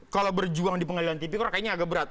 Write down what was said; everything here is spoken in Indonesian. kalau berjuang di pengadilan tipikor kayaknya agak berat